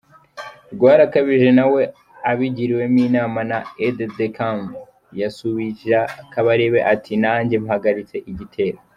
Rwarakabije nawe abigiriwemo inama na aide de Camp yasubija Kabarebe ati “Nanjye mpagaritse igitero”, ……